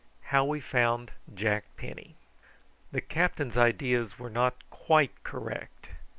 HOW WE FOUND JACK PENNY. The captain's ideas were not quite correct.